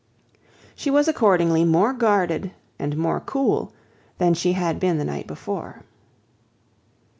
She was accordingly more guarded, and more cool, than she had been the night before.